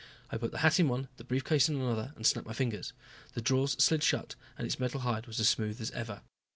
I put the hat in one, the brief case in another and snapped my fingers. The drawers slid shut and its metal hide was as smooth as ever.